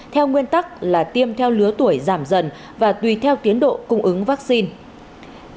theo nguyên tắc là tiêm theo lứa tuổi giảm dần và tùy theo tiến độ cung ứng vaccine